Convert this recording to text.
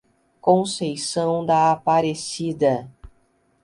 Conceição da Aparecida